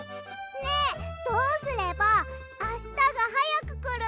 ねえどうすればあしたがはやくくるの？